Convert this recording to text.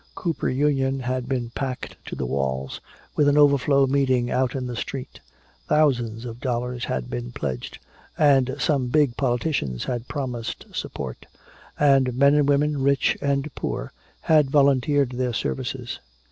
Cooper Union had been packed to the walls, with an overflow meeting out on the street; thousands of dollars had been pledged and some big politicians had promised support; and men and women, rich and poor, had volunteered their services.